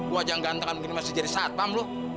wajah ganteng mungkin masih jadi satpam lo